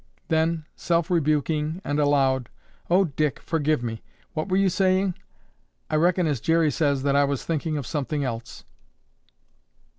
Then, self rebuking and aloud, "Oh, Dick, forgive me, what were you saying? I reckon, as Jerry says, that I was thinking of something else."